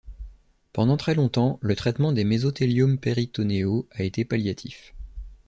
Pendant très longtemps, le traitement des mésothéliomes péritonéaux a été palliatif.